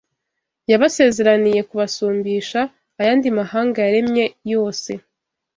Yabasezeraniye kubasumbisha “ayandi amahanga yaremye yose,”